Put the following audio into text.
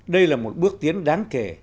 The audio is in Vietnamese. đây là một bước tiến đáng kể